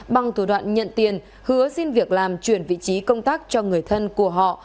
bằng thủ đoạn nhận tiền hứa xin việc làm chuyển vị trí công tác cho người thân của họ